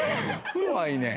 怖いねん。